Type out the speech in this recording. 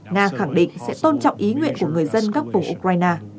nga khẳng định sẽ tôn trọng ý nguyện của người dân các vùng ukraine